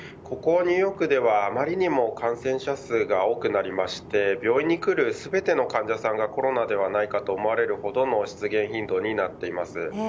ここニューヨークではあまりにも感染者数が多くなって病院に来る全ての患者さんがコロナではないかと思われるほどの出現頻度になっています。